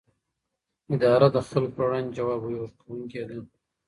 اداره د خلکو پر وړاندې ځواب ورکوونکې ده.